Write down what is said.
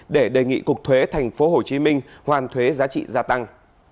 để đề nghị cục thuế tp hcm hoàn thuế giá trị gia tăng